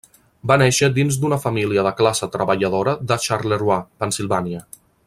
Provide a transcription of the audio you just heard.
Va néixer dins d'una família de classe treballadora de Charleroi, Pennsilvània.